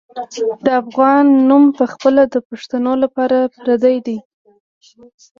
د افغان نوم پخپله د پښتنو لپاره پردی دی.